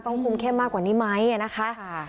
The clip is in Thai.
คุมเข้มมากกว่านี้ไหมนะคะ